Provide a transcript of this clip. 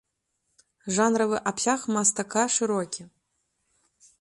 Жанравы абсяг мастака шырокі.